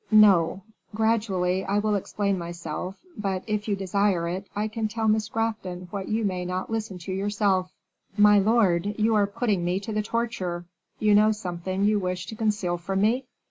"No; gradually I will explain myself; but, if you desire it, I can tell Miss Grafton what you may not listen to yourself." "My lord, you are putting me to the torture; you know something you wish to conceal from me?"